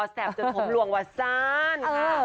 แซบจนทมล่วงวัดซานค่ะ